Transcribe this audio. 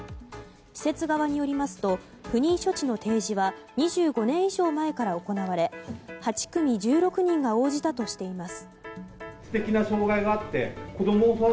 施設側によりますと不妊処置の提示は２５年以上前から行われ８組１６人が応じたとしています。